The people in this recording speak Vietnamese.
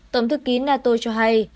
tổng thư ký nato cho hay